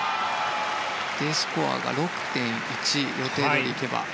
Ｄスコアが６．１予定どおりいけば。